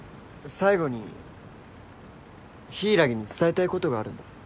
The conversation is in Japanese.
最後に柊に伝えたいことがあるんだ。